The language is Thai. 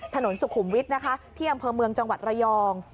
ถนนสุขุมวิทย์นะคะที่อำเภอเมืองจังหวัดระยอง